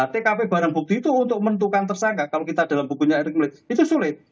tkp barang bukti itu untuk menentukan tersangka kalau kita dalam bukunya erick itu sulit